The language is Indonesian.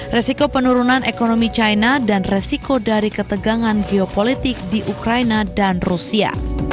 resiko penurunan ekonomi china dan resiko dari ketegangan geopolitik di ukraina dan rusia